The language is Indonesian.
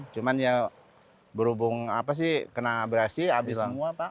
cuman ya berhubung apa sih kena abrasi habis semua pak